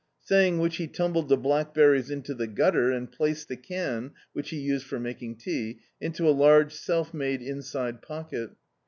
Saying which he tumbled the blackberries into the gutter and placed the can — which he used for mak ing tea — into a large self made inside pocket.